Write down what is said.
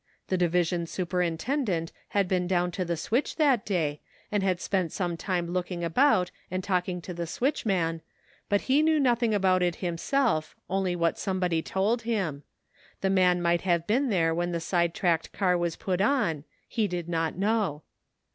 The division superintendent had been down to the switch that day, and had spent some time look ing about and talking to the switchman, but he knew nothing about it himself only what some body told him ; the man might have been there when the side tracked car was put on ; he did not know.